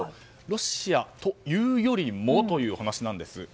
ロシアというよりもというお話なんです。